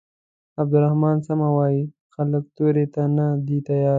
عبدالرحمن سمه وايي خلک تورې ته نه دي تيار.